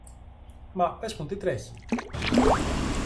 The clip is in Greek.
Μα πες μου τι τρέχει;